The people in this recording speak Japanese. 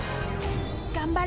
頑張れ！